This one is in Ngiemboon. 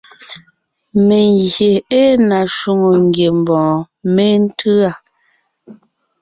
Mengyè ée na shwòŋo ngiembɔɔn méntʉ̂a.